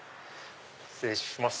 失礼します。